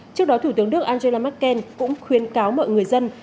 trước đó thủ tướng đức angela merkel cũng khuyến cáo mọi người dân